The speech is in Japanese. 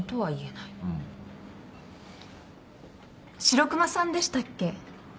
白熊さんでしたっけ？